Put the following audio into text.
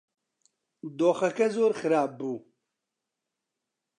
دۆخەکە زۆر خراپ بوو.